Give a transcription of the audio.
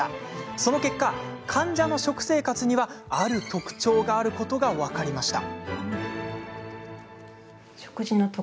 その結果、患者の食生活にはある特徴があることが分かりました。